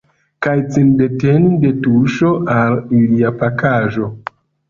Kaj cin deteni de tuŝo al ilia pakaĵo.